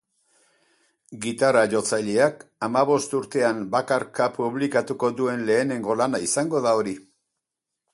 Gitarra-jotzaileak hamabost urtean bakarka publikatuko duen lehenengo lana izango da hori.